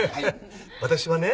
私はね